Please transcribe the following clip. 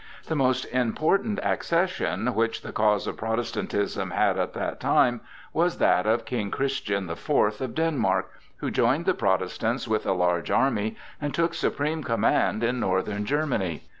The most important accession which the cause of Protestantism had at that time was that of King Christian the Fourth of Denmark, who joined the Protestants with a large army and took supreme command in northern Germany.